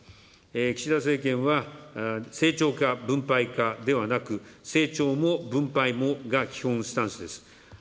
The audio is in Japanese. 岸田政権は、成長か分配かではなく、成長も分配もが基本スタンスです。